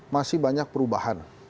masih banyak perubahan